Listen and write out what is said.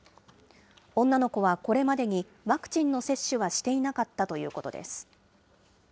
女の子はこれまでにワクチンの接種はしていなかったということです。